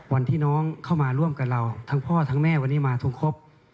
วันที่น้องเข้ามาร่วมกับเราทั้งพ่อทั้งแม่วันนี้มาทุกครบ